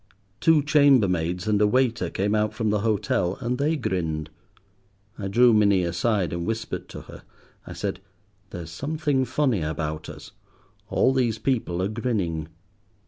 Two chamber maids and a waiter came out from the hotel, and they grinned. I drew Minnie aside, and whispered to her. I said— "There's something funny about us. All these people are grinning."